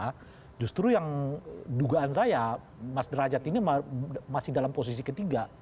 nah justru yang dugaan saya mas derajat ini masih dalam posisi ketiga